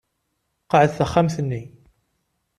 Qɛed taxxamt-nni.